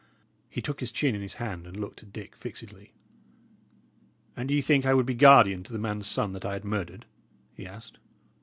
He took his chin in his hand and looked at Dick fixedly. "And ye think I would be guardian to the man's son that I had murdered?" he asked.